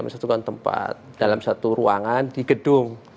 satukan tempat dalam satu ruangan di gedung